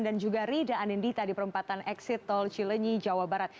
dan juga rida anindita di perempatan exit tol cilenyi jawa barat